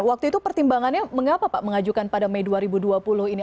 waktu itu pertimbangannya mengapa pak mengajukan pada mei dua ribu dua puluh ini